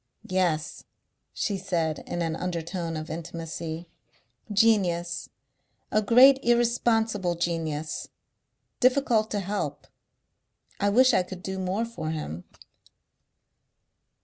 "Yes," she said in an undertone of intimacy. "Genius.... A great irresponsible genius.... Difficult to help.... I wish I could do more for him."